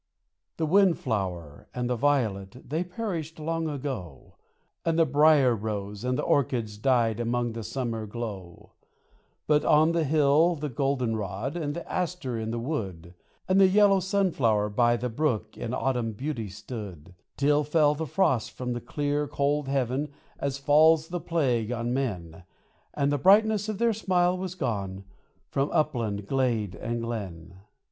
The Wind flower and the Violet, they perished long ago, And the Brier rose and the Orchis died among the summer glow; But on the hill the Golden rod, and the Aster in the wood, And the yellow Sun flower by the brook in autumn beauty stood, Till fell the frost from the clear, cold heaven, as falls the plague on men, And the brightness of their smile was gone, from upland, glade, and glen.